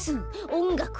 おんがく！